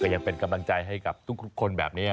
ยังเป็นกำลังใจให้กับทุกคนแบบนี้